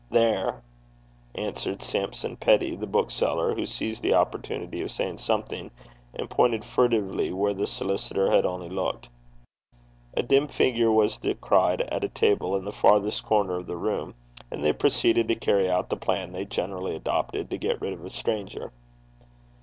'There,' answered Sampson Peddie, the bookseller, who seized the opportunity of saying something, and pointed furtively where the solicitor had only looked. A dim figure was descried at a table in the farthest corner of the room, and they proceeded to carry out the plan they generally adopted to get rid of a stranger.